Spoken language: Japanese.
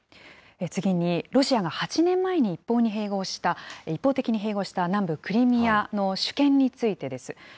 次に、ロシアが８年前に一方的に併合した南部クリミアの主権についてです。